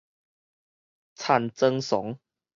田庄倯